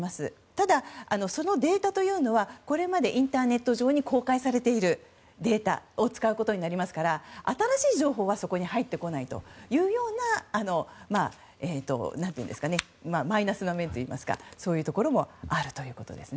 ただ、そのデータというのはこれまでインターネット上に公開されているデータを使うことになりますから新しい情報はそこに入ってこないというようなマイナスな面といいますかそういうところもありますね。